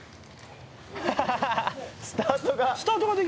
スタートが。